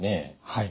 はい。